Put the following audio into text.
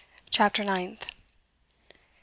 CHAPTER NINTH.